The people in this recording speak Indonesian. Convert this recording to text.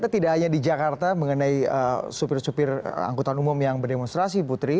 tidak hanya di jakarta mengenai supir supir angkutan umum yang berdemonstrasi putri